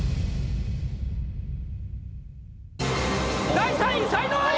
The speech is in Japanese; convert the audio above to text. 第３位才能アリ！